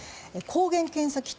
抗原検査